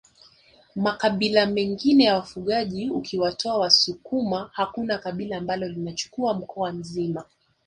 Makabila mengine ya wafugaji ukiwatoa wasukuma hakuna kabila ambalo linachukua mkoa mzima